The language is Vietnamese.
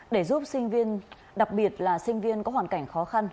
để giúp sinh viên đặc biệt là sinh viên có hoàn cảnh khó khăn